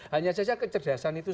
hanya saja kecerdasan itu